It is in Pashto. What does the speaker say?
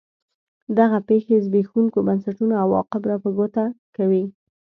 دغه پېښې زبېښونکو بنسټونو عواقب را په ګوته کوي.